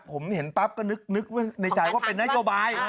ผมเห็นปั๊บก็นึกไว้ในใจว่าเป็นนโยบาย